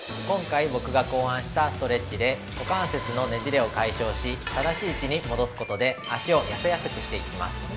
今回僕が考案したストレッチで股関節のねじれを解消し、正しい位置に戻すことで、脚を痩せやすくしていきます。